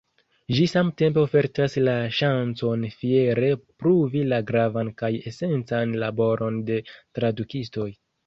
Ĝi samtempe ofertas la ŝancon fiere pruvi la gravan kaj esencan laboron de tradukistoj.